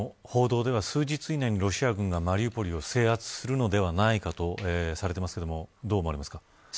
報道では数日以内にロシア軍がマリウポリを制圧するのではないかとされてますがどう思われますか。